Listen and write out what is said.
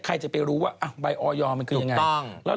ใครจะไปรู้ว่าใบออยมันคือยังไง